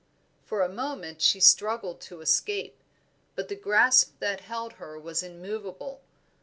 For a moment she struggled to escape, but the grasp that held her was immovable.